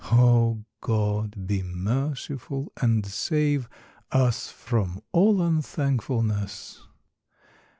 . Oh, God, be merciful and save Us from all un thank fulness